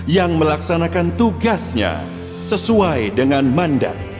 yang melaksanakan tugasnya sesuai dengan mandat